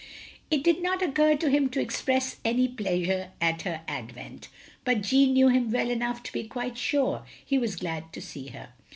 It did not occur to him to express any pleasure at her advent, but Jeanne knew him well enough to be quite sure he was glad to see her.